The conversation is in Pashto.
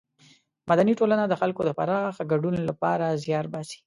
مدني ټولنه د خلکو د پراخه ګډون له پاره زیار باسي.